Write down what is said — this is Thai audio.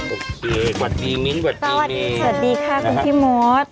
โอเคสวัสดีมิ้นท์สวัสดีค่ะคุณพี่มด